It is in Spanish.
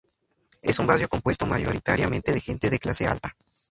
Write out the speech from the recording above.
Es un barrio compuesto mayoritariamente de gente de clase alta.